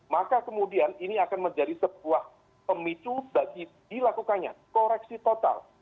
maka kemudian ini akan menjadi sebuah pemicu bagi dilakukannya koreksi total